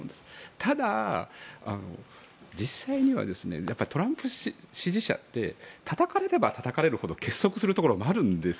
ただ、実際にはトランプ支持者ってたたかれればたたかれるほど結束するところもあるんです。